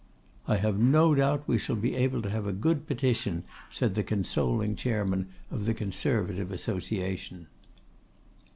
'I have no doubt we shall be able to have a good petition,' said the consoling chairman of the Conservative Association.